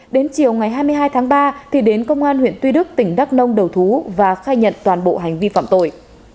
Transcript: đến chiều ngày hai mươi hai tháng ba thì đến công an huyện tuy đức tỉnh đắk nông đầu thú và khai nhận toàn bộ hành vi phạm tội